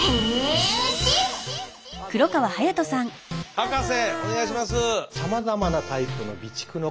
博士お願いします。